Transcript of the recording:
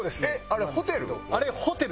あれホテルです。